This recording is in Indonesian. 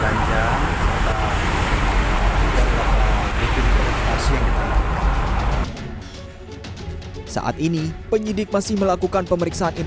penyidik juga mencari penyidik yang berpengalaman